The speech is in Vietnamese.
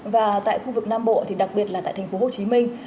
và tại khu vực nam bộ thì đặc biệt là tại thành phố hồ chí minh